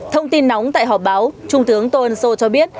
thông tin nóng tại họp báo trung tướng tôn sô cho biết